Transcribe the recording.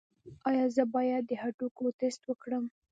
ایا زه باید د هډوکو ټسټ وکړم؟